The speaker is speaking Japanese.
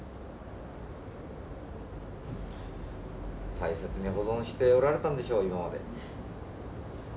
大切に保存しておられたんでしょう今まで。